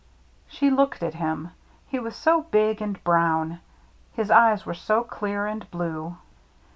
She looked at him. He was so big and brown ; his eyes were so clear and blue.